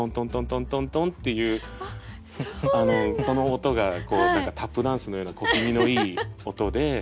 トントントンっていうその音が何かタップダンスのような小気味のいい音で。